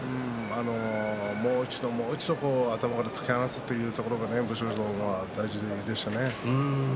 もう一度、もう一度頭から突き放すというところ武将山、大事でしたね。